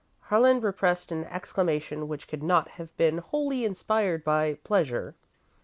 Harlan repressed an exclamation, which could not have been wholly inspired by pleasure.